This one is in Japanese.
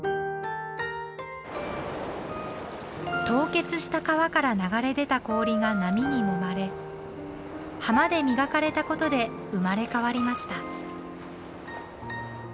凍結した川から流れ出た氷が波にもまれ浜で磨かれたことで生まれ変わりました。